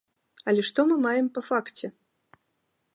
Але што мы маем па факце?